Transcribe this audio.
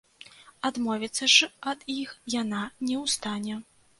Адмовіцца ж ад іх яна не ў стане.